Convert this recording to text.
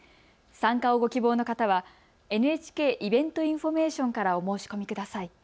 参加をご希望の方はＮＨＫイベントインフォメーションからお申し込みください。